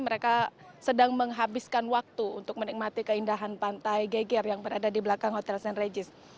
mereka sedang menghabiskan waktu untuk menikmati keindahan pantai geger yang berada di belakang hotel st regis